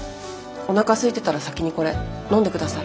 おなかすいてたら先にこれ飲んで下さい。